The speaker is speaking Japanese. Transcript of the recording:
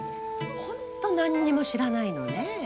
ホント何にも知らないのね。